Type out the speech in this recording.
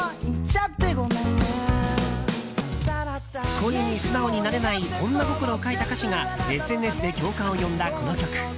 恋に素直になれない女心を描いた歌詞がＳＮＳで共感を呼んだこの曲。